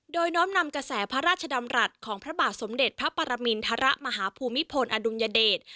โดยน้อมนำกระแสพระราชดำรัฐของพระบาทสมเด็จพระปรมินทรมาฮภูมิพลอดุลยเดช